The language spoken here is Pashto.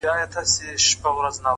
خندا د روح ارامي ده,